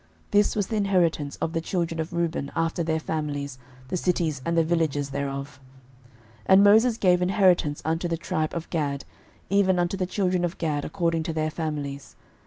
This was the inheritance of the children of Reuben after their families, the cities and the villages thereof. 06:013:024 And Moses gave inheritance unto the tribe of Gad, even unto the children of Gad according to their families.